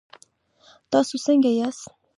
تاسو څنګ ياست؟